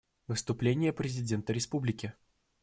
Выступление президента Республики.